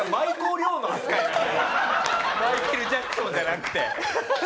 マイケル・ジャクソンじゃなくて。